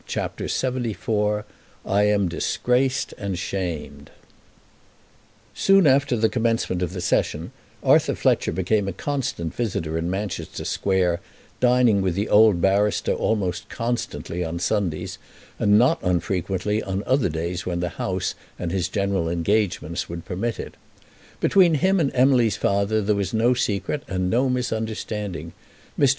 CHAPTER LXXIV "I Am Disgraced and Shamed" Soon after the commencement of the Session Arthur Fletcher became a constant visitor in Manchester Square, dining with the old barrister almost constantly on Sundays, and not unfrequently on other days when the House and his general engagements would permit it. Between him and Emily's father there was no secret and no misunderstanding. Mr.